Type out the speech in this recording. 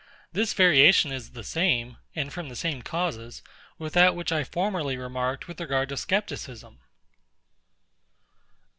This variation is the same (and from the same causes) with that which I formerly remarked with regard to Scepticism.